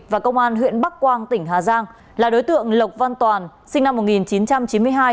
và công an huyện bắc quang tỉnh hà giang là đối tượng lộc văn toàn sinh năm một nghìn chín trăm chín mươi hai